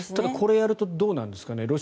これをやるとどうなんですかね。